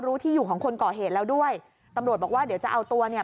ที่อยู่ของคนก่อเหตุแล้วด้วยตำรวจบอกว่าเดี๋ยวจะเอาตัวเนี่ย